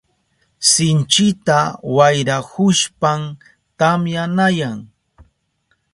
Sinchita wayrahushpan tamyanayan.